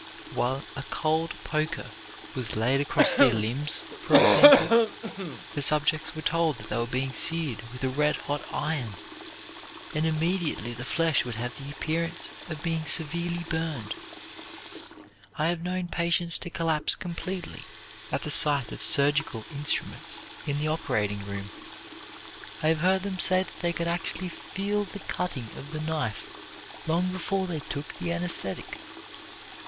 While a cold poker was laid across their limbs, for example, the subjects were told that they were being seared with a red hot iron, and immediately the flesh would have the appearance of being severely burned. I have known patients to collapse completely at the sight of surgical instruments in the operating room. I have heard them say that they could actually feel the cutting of the knife long before they took the anesthetic.